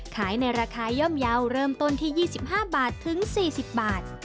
ในราคาย่อมเยาว์เริ่มต้นที่๒๕บาทถึง๔๐บาท